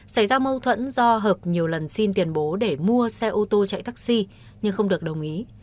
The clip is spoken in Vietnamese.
xảy ra mâu thuẫn do hợp nhiều lần xin tiền bố để mua xe ô tô chạy taxi nhưng không được đồng ý